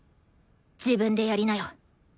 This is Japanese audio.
自分でやりなよ。